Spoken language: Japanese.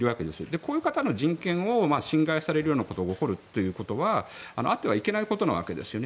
こういう方の人権を侵害されるようなことが起こるということはあってはいけないことなわけですよね。